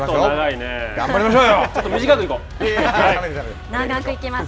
頑張りましょう。